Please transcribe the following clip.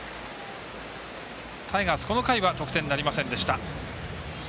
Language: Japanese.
タイガース、この回は得点なりませんでした。